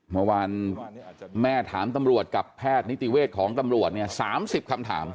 เมื่อวานแม่ถามตำรวจกับแพทย์นิติเวศของตำรวจเนี่ย๓๐คำถาม